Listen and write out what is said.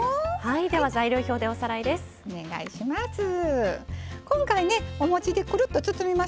材料表でおさらいです。